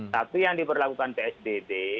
tapi yang diperlakukan psdd